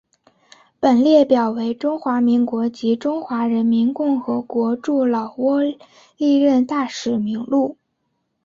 本列表为中华民国及中华人民共和国驻老挝历任大使名录。